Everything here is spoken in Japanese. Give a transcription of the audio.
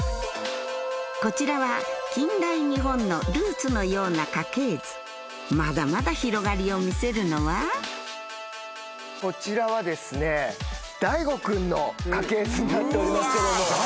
こちらは近代日本のルーツのような家系図まだまだ広がりを見せるのはこちらはＤＡＩＧＯ君の家系図になっておりますけども。